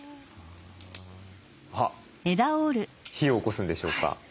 あっ火をおこすんでしょうか？